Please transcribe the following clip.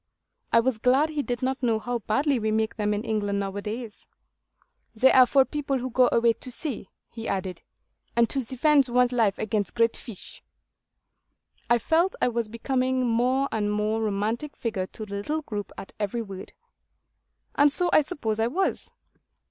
I was glad he did not know how badly we make them in England now a days. 'They are for people who go away to sea,' he added, 'and to defend one's life against great fish.' I felt I was becoming a more and more romantic figure to the little group at every word. And so I suppose I was.